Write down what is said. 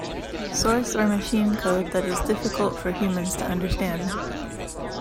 source or machine code that is difficult for humans to understand.